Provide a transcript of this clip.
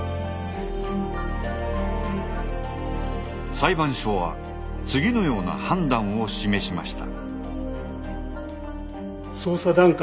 裁判所は次のような判断を示しました。